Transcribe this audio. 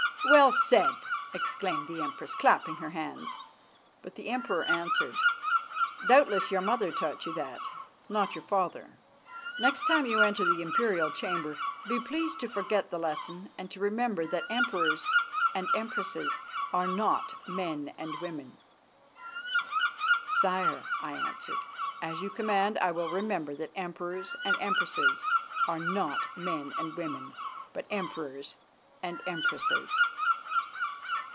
"Well said," exclaimed the Empress, clapping her hands; but the Emperor answered: "Doubtless your mother taught you that, not your father. Next time you enter the imperial chamber be pleased to forget the lesson and to remember that Emperors and Empresses are not men and women." "Sire," I answered, "as you command I will remember that Emperors and Empresses are not men and women, but Emperors and Empresses."